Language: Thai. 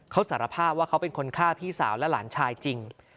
เขาสารภาพว่าเขาเป็นคนฆ่าพี่สาวและหลานชายจริง